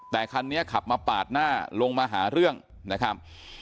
แต่คันนี้ขับมาปาดหน้าลงมาหาเรื่องนะครับ